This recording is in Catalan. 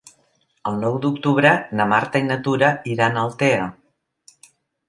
El nou d'octubre na Marta i na Tura iran a Altea.